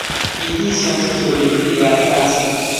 kitishonchi chorik biik ab kazit